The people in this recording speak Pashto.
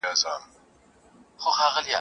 او د کاغذ مخ په رنګین کړي !.